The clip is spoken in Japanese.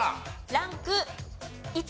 ランク１。